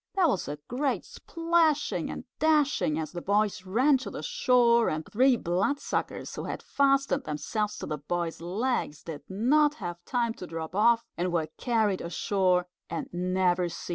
There was a great splashing and dashing as the boys ran to the shore, and three Bloodsuckers, who had fastened themselves to the boy's legs, did not have time to drop off, and were carried ashore and never seen again.